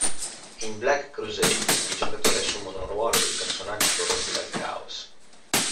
In Black Crusade, i giocatori assumono il ruolo di personaggi corrotti dal Caos.